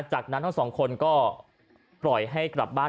จากนั้นทั้งสองคนก็ปล่อยให้กลับบ้าน